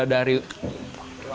kalau dirasa rasa berasa nih ada